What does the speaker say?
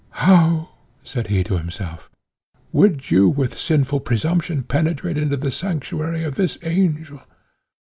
"How!" said he to himself, "would you with sinful presumption penetrate into the sanctuary of this angel?